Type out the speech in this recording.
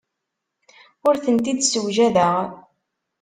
Ur tent-id-ssewjadeɣ.